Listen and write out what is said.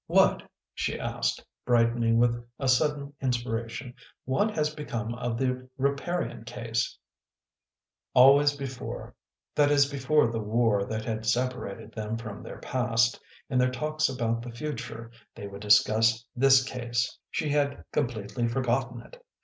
" What," she asked, brightening with a sudden inspira tion, " what has become of the Riparian case ?" Always before, that is before the war that had separated them from their past; in their talks about the future, they would discuss this case. She had completely forgotten it!